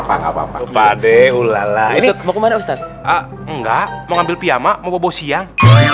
papa papa pade ulala ini mau kemana ustadz enggak mau ambil piyama mau siang